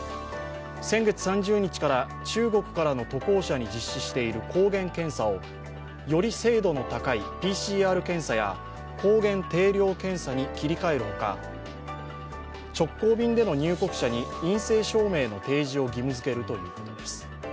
先月３０日から中国からの渡航者に実施している抗原検査をより精度の高いＰＣＲ検査や抗原定量検査に切り替えるほか直行便での入国者に陰性証明の提示を義務づけるということです。